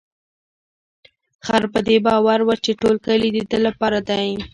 خر په دې باور و چې ټول کلي د ده لپاره دی.